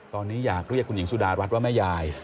ตอนนี้อยากเรียกคุณหญิงสุดารัฐว่าแม่ยาย